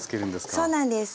そうなんです。